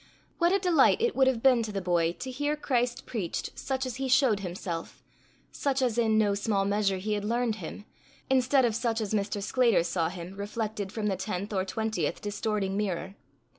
What a delight it would have been to the boy to hear Christ preached such as he showed himself, such as in no small measure he had learned him instead of such as Mr. Sclater saw him reflected from the tenth or twentieth distorting mirror!